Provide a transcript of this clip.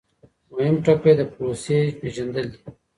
مهم ټکی د پروسې پیژندل دي.